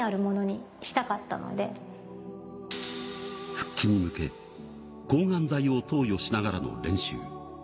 復帰に向け、抗がん剤を投与しながらの練習。